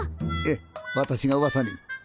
えっ私がうわさに？